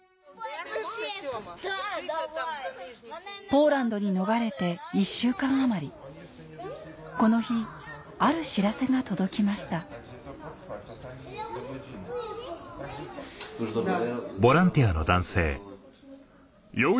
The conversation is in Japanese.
ポーランドに逃れて１週間余りこの日ある知らせが届きました・ハハハ！